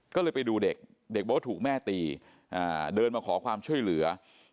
ก็เลยไปดูเด็กเด็กบอกว่าถูกแม่ตีเดินมาขอความช่วยเหลือ